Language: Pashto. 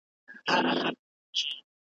له مخلوق څخه ګوښه تر ښار دباندي .